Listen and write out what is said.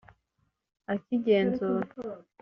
akigenzura